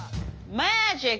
メージック。